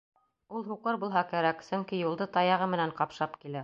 Ул һуҡыр булһа кәрәк, сөнки юлды таяғы менән ҡапшап килә.